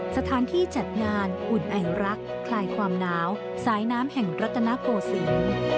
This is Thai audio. สถานที่จัดงานอุ่นไอรักษ์คลายความหนาวสายน้ำแห่งรัฐนาโกศิลป์